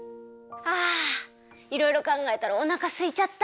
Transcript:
あいろいろかんがえたらおなかすいちゃた。